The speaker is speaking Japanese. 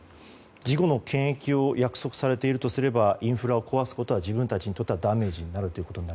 事後の権益を約束されているとすればインフラを壊すことは自分たちのダメージにもなると。